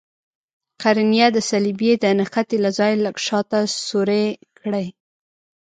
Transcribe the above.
قرنیه د صلبیې د نښتې له ځای لږ شاته سورۍ کړئ.